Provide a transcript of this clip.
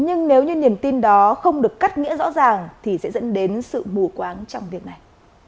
nhưng nếu như niềm tin đó không được cắt nghĩa rõ ràng thì sẽ dẫn đến sự mù quáng trong việc này